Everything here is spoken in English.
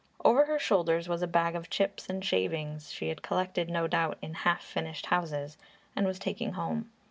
Over her shoulders was a bag of chips and shavings, she had collected no doubt in half finished houses, and was taking home.